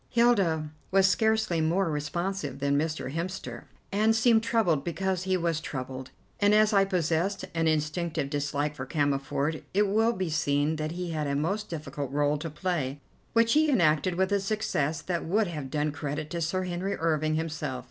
Hilda was scarcely more responsive than Mr. Hemster and seemed troubled because he was troubled, and as I possessed an instinctive dislike for Cammerford it will be seen that he had a most difficult rôle to play, which he enacted with a success that would have done credit to Sir Henry Irving himself.